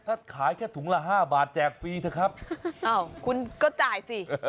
ถ้าขายแค่ถุงละห้าบาทแจกฟรีเถอะครับอ้าวคุณก็จ่ายสิ